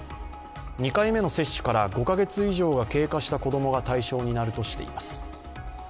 ２回目の接種から５カ月以上が経過した子供が対象になるとしています。